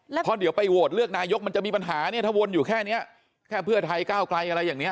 เพราะเดี๋ยวไปโหวตเลือกนายกมันจะมีปัญหาเนี่ยถ้าวนอยู่แค่เนี้ยแค่เพื่อไทยก้าวไกลอะไรอย่างนี้